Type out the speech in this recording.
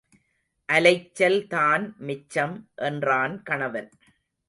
அலைச்சல் தான் மிச்சம் என்றான் கணவன்.